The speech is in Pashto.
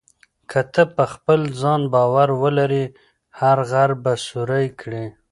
که ته په خپل ځان باور ولرې، هر غر به سوري کړې.